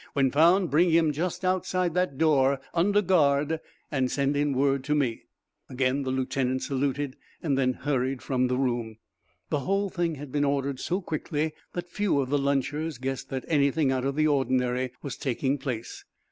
When found, bring him just outside that door, under guard, and send in word to me." Again the lieutenant saluted, then hurried from the room. The whole thing had been, ordered so quickly that few of the lunchers guessed that anything out of the ordinary was taking place.